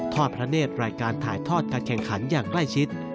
พระเนธรายการถ่ายทอดการแข่งขันอย่างใกล้ชิด